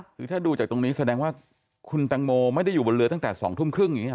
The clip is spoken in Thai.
คือถ้าดูจากตรงนี้แสดงว่าคุณตังโมไม่ได้อยู่บนเรือตั้งแต่๒ทุ่มครึ่งอย่างนี้